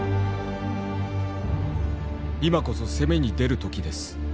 「今こそ攻めに出る時です。